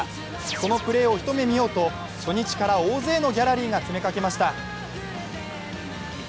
そのプレーを一目見ようと初日から大勢のギャラリーが詰めかけました。